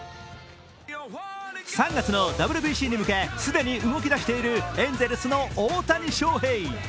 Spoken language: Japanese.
３月のＷＢＣに向け既に動き出しているエンゼルスの大谷翔平。